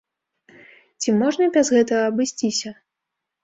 Ці можна без гэтага абысціся?